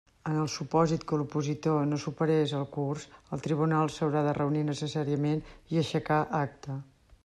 En el supòsit que l'opositor no superés el Curs, el Tribunal s'haurà de reunir necessàriament i aixecà acta.